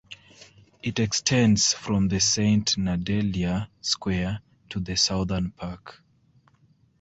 It extends from the Saint Nedelya Square to the Southern Park.